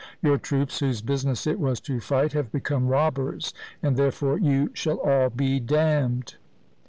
Your troops, whose business it was to fight, have become robbers, and therefore you shall all be damned.'